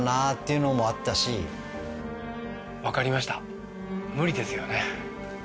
分かりました無理ですよね。